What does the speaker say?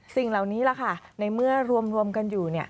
สิ่งเหล่านี้แหละค่ะในเมื่อรวมกันอยู่